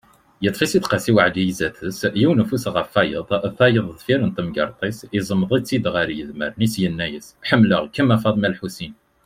Yeṭṭef-itt-id Qasi waɛli zdat-s, yiwen ufus ɣef wayet, tayeḍ deffir n temgerḍt, iẓmeḍ-itt-id ar yidmaren-is, yenna-yas: Ḥemmleɣ-kem a Faḍma lḥusin.